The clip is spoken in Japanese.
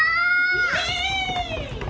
イエイ！